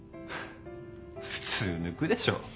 普通抜くでしょ。